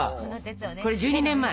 これ１２年前！